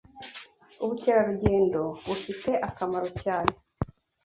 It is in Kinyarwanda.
ubukerarugendo bufite akamaro cyane